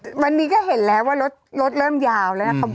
เช่นที่ก็เห็นแล้วว่ารถเริ่มยาวแล้ว